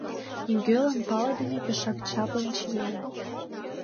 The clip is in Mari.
Нигӧлан палыдыме, пешак чаплын чиен.